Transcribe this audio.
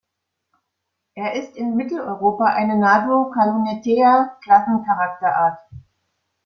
Er ist in Mitteleuropa eine Nardo-Callunetea-Klassencharakterart.